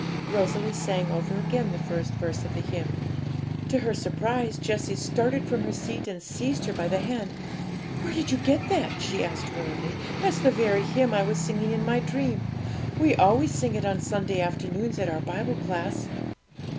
Rosalie sang over again the first verse of the hymn. To her surprise, Jessie started from her seat and seized her by the hand. 'Where did you get that?' she asked hurriedly; 'that's the very hymn I was singing in my dream. We always sing it on Sunday afternoons at our Bible class.'